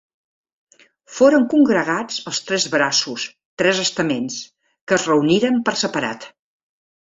Foren congregats els tres Braços —tres estaments—, que es reuniren per separat.